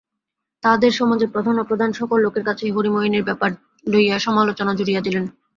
তাঁহাদের সমাজের প্রধান-অপ্রধান সকল লোকের কাছেই হরিমোহিনীর ব্যাপার লইয়া সমালোচনা জুড়িয়া দিলেন।